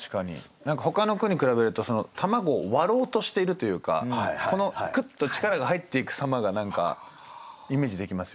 何かほかの句に比べると卵を割ろうとしているというかクッと力が入っていく様が何かイメージできますよね。